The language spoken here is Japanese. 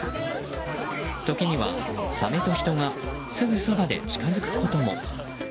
時には、サメと人がすぐそばで近づくことも。